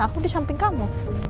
aku di samping kamu